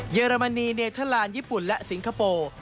เยอรมนีเนเทลานญี่ปุ่นและสิงคโปร์